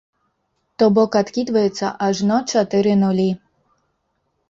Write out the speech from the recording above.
То бок адкідваецца ажно чатыры нулі!